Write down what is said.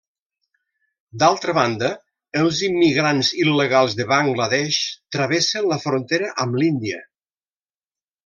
D'altra banda, els immigrants il·legals de Bangla Desh travessen la frontera amb l'Índia.